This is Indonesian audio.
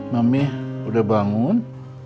mami udah bangun